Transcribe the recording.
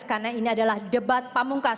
karena ini adalah debat pamungkas